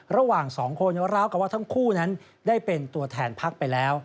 ระหว่างสองคนราวกับว่าทั้งคู่นั้นได้เป็นตัวแทนพักไปแล้ว